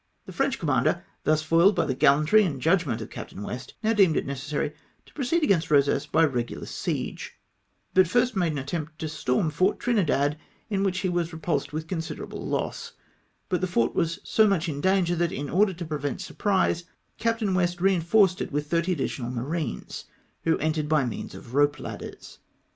The French commander, thus foiled by the gallantry and judgment of Captain West, now deemed it neces sary to proceed against Eosas by regular siege, but first made an attempt to storm Fort Trinidad, in which he was repulsed Avitli considerable loss ; but the fort was so much in danger that, in order to prevent surprise, Captain West reinforced it with thirty additional marines, who entered by means of rope ladders.